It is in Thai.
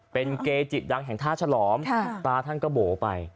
เป็นเกยจิตดังแห่งท่าฉล้อมค่ะตาท่านกระโบไปอ้อ